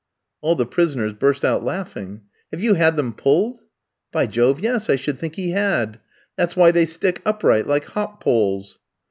All the prisoners burst out laughing. "Have you had them pulled?" "By Jove, yes, I should think he had." "That's why they stick upright, like hop poles."